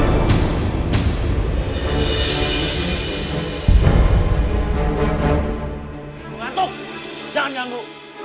ibu ngantuk jangan ganggu